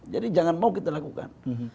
jangan mau kita lakukan